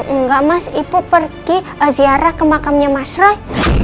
enggak mas ibu pergi ziarah ke makamnya mas roy